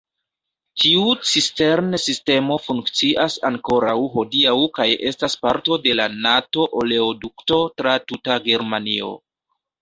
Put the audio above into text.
Tiu cistern-sistemo funkcias ankoraŭ hodiaŭ kaj estas parto de la Nato-oleodukto tra tuta Germanio.